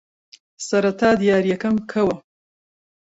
سەرەتا دیارییەکەم بکەوە.